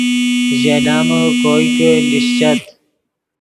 ژے لامے کوئے کہ لیشچت